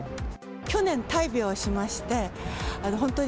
去年、大病しまして、本当に